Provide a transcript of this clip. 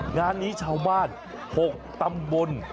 งานนี้ชาวบ้าน๖ตำบล